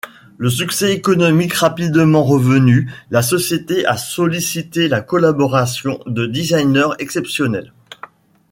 Le succès économique rapidement revenu, la société a sollicité la collaboration de designers exceptionnels.